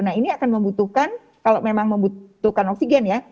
nah ini akan membutuhkan kalau memang membutuhkan oksigen ya